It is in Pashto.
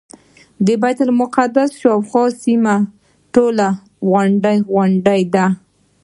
د بیت المقدس شاوخوا سیمه ټوله غونډۍ غونډۍ ده.